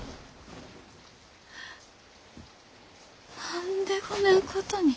何でこねんことに。